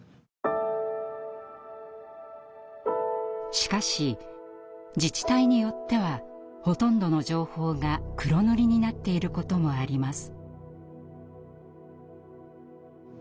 しかし自治体によってはほとんどの情報が黒塗りになっていることもあります。